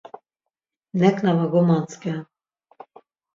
Neǩna va gomantzǩen.